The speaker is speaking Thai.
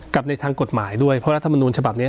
กับในทางกฎหมายด้วยเพราะว่ารัฐบาลมนูญฉบับเนี้ย